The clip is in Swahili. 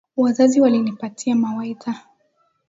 Wazazi walinipatia mawaidha